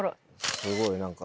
すごい何か。